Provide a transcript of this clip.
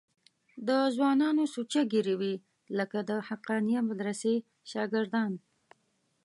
د ځوانانو سوچه ږیرې وې لکه د حقانیه مدرسې شاګردان.